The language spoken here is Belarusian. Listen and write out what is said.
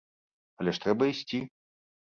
Але ж трэба ісці.